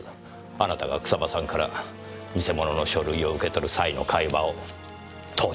あなたが草葉さんから偽物の書類を受け取る際の会話を盗聴しようとしていたのです。